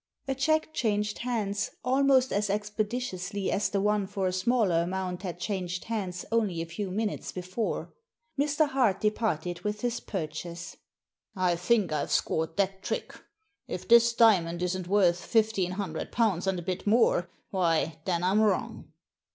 A cheque changed hands almost as expeditiously as the one for a smaller amount had changed hands only a few minutes before. Mr. Hart departed with his purchase. " I think I've scored that trick. If this diamond isn't worth fifteen hundred pounds and a bit more, why, then I'm wrong."